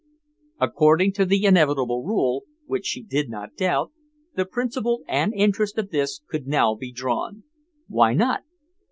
According to the inevitable rule, which she did not doubt, the principal and interest of this could now be drawn. Why not?